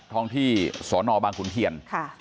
ส่วนฟังที่สนบางคุณเทียน